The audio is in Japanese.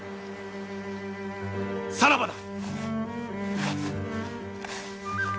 さらばだ。